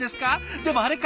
でもあれか。